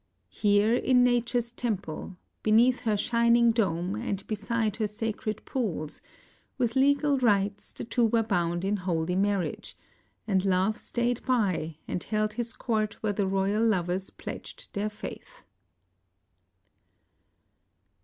Here in Nature's temple, beneath her shining dome and beside her sacred pools, with legal rites the two were bound in holy marriage; and Love stayed by and held his court where the royal lovers pledged their faith.